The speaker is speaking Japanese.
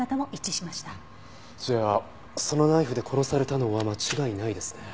じゃあそのナイフで殺されたのは間違いないですね。